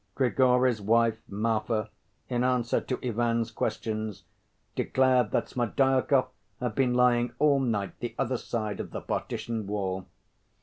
Grigory's wife, Marfa, in answer to Ivan's questions, declared that Smerdyakov had been lying all night the other side of the partition wall.